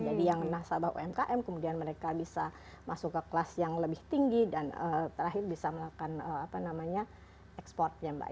jadi yang nasabah umkm kemudian mereka bisa masuk ke kelas yang lebih tinggi dan terakhir bisa melakukan ekspornya mbak